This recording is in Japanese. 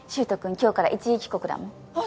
今日から一時帰国だもんあっ